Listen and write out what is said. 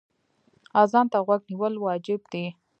اذان ته غوږ نیول واجب دی.